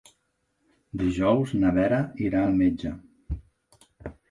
Dijous na Vera irà al metge.